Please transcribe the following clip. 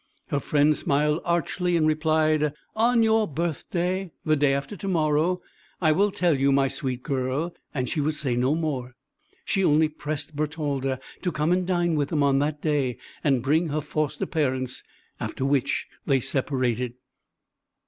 Her friend smiled archly and replied, "On your birthday, the day after to morrow, I will tell you, my sweet girl;" and she would say no more. She only pressed Bertalda to come and dine with them on that day, and bring her foster parents; after which they separated.